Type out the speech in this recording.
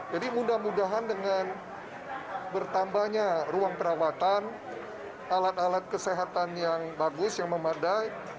jadi mudah mudahan dengan bertambahnya ruang perawatan alat alat kesehatan yang bagus yang memadai